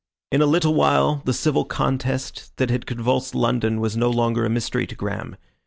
In a little while the civil contest that had convulsed London was no longer a mystery to Graham.